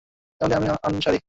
তাহলে আমি আনসারী।